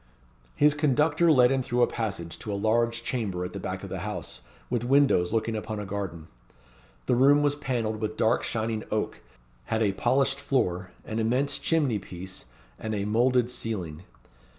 His conductor led him through a passage to a large chamber at the back of the house, with windows looking upon a garden. The room was panelled with dark shining oak, had a polished floor, an immense chimney piece, and a moulded ceiling.